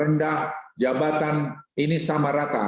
rendah jabatan ini sama rata